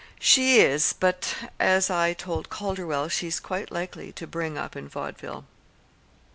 "She is; but, as I told Calderwell, she's quite likely to bring up in vaudeville."